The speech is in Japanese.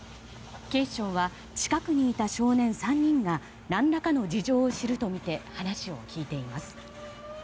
警視庁は、近くにいた少年３人が何らかの事情を知るとみて話を聞いています。